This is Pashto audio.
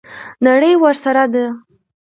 نړۍ ورسره ده.